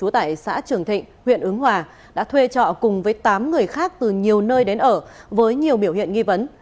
tại xã trường thịnh huyện ứng hòa đã thuê trọ cùng với tám người khác từ nhiều nơi đến ở với nhiều biểu hiện nghi vấn